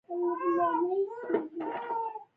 دوی له برېټانویانو سره تر نښتې وروسته وکوچېدل.